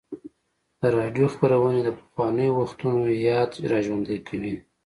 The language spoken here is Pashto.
د راډیو خپرونې د پخوانیو وختونو یاد راژوندی کوي.